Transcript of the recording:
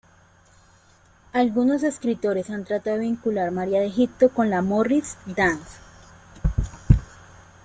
Algunos escritores han tratado de vincular María de Egipto con la "Morris dance".